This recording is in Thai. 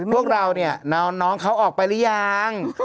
พวกเราเนี่ยน้องเขาออกไปหรือยัง